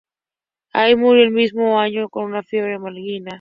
Allí murió en el mismo año con una fiebre maligna.